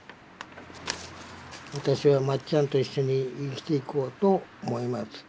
「私はまっちゃんと一緒に生きていこうと思います。